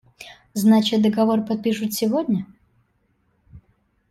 Значит, договор подпишут сегодня?